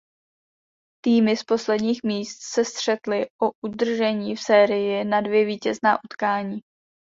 Týmy z posledních míst se střetly o udržení v sérii na dvě vítězná utkání.